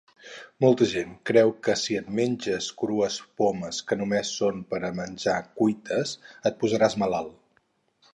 Molta gent creu que si et menges crues pomes que només són per a menjar cuites et posaràs malalt.